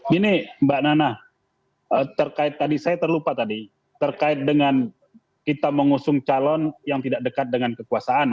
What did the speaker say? gini mbak nana saya terlupa tadi terkait dengan kita mengusung calon yang tidak dekat dengan kekuasaan